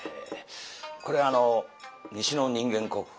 これ西の人間国宝